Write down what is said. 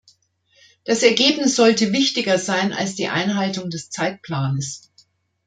Das Ergebnis sollte wichtiger sein als die Einhaltung des Zeitplanes.